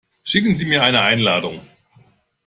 Schicken Sie mir eine Einladung?